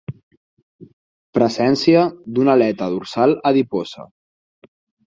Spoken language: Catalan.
Presència d'una aleta dorsal adiposa.